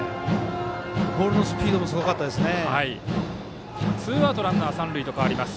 ボールのスピードもすごかったですね。